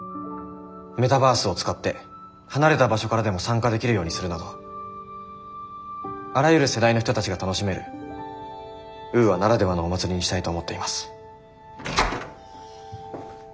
メタバースを使って離れた場所からでも参加できるようにするなどあらゆる世代の人たちが楽しめるウーアならではのお祭りにしたいと思っています。